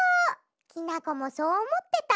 きなこもそうおもってた。